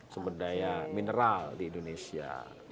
sumber daya mineral di indonesia